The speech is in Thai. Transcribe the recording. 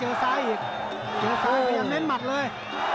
เจอซ้ายก็ยังเน้นมัดเลย